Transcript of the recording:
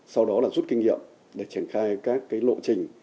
sau đó là rút kinh nghiệm để triển khai các lộ trình